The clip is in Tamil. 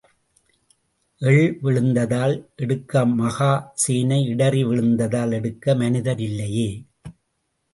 எள் விழுந்தால் எடுக்க மகா சேனை இடறி விழுந்தால் எடுக்க மனிதர் இல்லையே!